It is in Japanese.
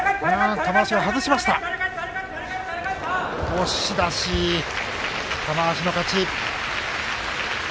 押し出し玉鷲の勝ち。